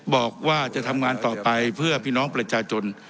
บอกว่าจะทำงานต่อไปเพื่อพี่น้องประชาชน